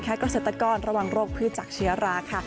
เป็นกระเศรษฐกรระหว่างโรคภืชจักชิ้ระราค